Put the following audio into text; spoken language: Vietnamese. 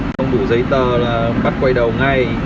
không đủ giấy tờ là bắt quay đầu ngay